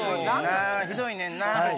ひどいねんな。